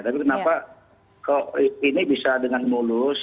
tapi kenapa ini bisa dengan mulus